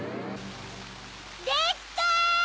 ・できた！